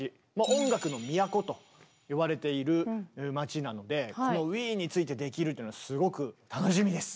「音楽の都」といわれている街なのでこのウィーンについてできるというのはすごく楽しみです！